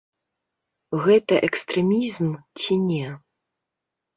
Гэта экстрэмізм ці не?